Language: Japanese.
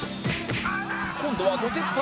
今度は土手っ腹